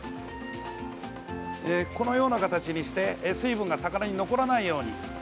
このような形にして水分が魚に残らないように。